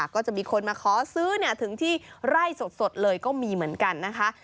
ก็จะมีคนมาขอซื้อถึงที่ไร่สดเลยก็มีเหมือนกันนะคะ